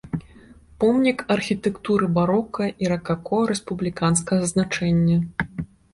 Помнік архітэктуры барока і ракако рэспубліканскага значэння.